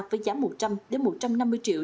với giá một trăm linh một trăm năm mươi triệu